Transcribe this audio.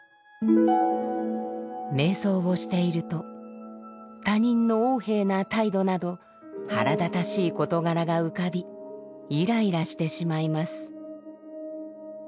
瞑想をしていると他人の横柄な態度など腹立たしい事柄が浮かびイライラしてしまいます。